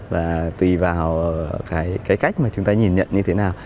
và tùy vào cái cách mà chúng ta nhìn nhận như thế nào